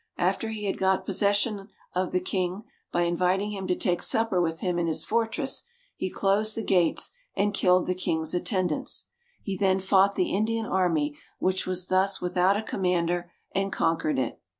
After he had got possession of the king by inviting him to take supper with him in his fortress, he closed the gates and killed the king's attendants. He then fought the Indian army, which was thus without a commander, and conquered it.